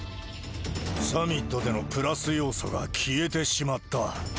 サミットでのプラス要素が消えてしまった。